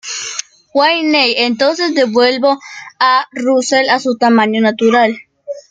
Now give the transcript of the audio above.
Wayne, entonces devuelve a Russel a su tamaño natural.